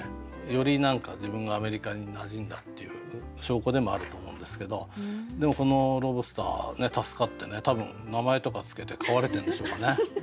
より何か自分がアメリカになじんだっていう証拠でもあると思うんですけどでもこのロブスター助かって多分名前とか付けて飼われてんでしょうかね。